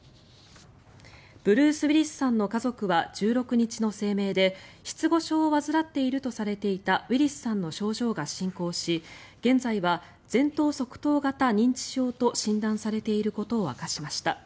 ブルース・ウィリスさんの家族は１６日の声明で失語症を患っているとされていたウィリスさんの症状が進行し現在は前頭側頭型認知症と診断されていることを明かしました。